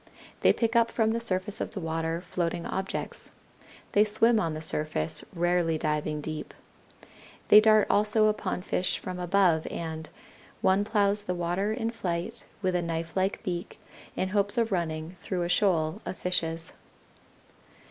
They pick up from the surface of the water floating objects. They swim on the surface, rarely diving deep. They dart also upon fish from above, and "one plows the water in flight with a knifelike beak in hopes of running through a shoal of fishes."